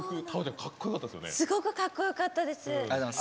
すごくかっこよかったです。